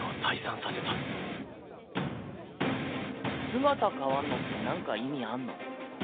姿変わんのってなんか意味あんの？